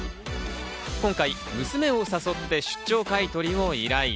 今回、娘を誘って出張買い取りを依頼。